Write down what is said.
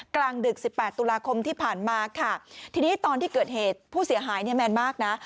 กลางดึกสิบแปดตุลาคมที่ผ่านมาค่ะทีนี้ตอนที่เกิดเหตุผู้เสียหายเนี่ยแมนมากนะ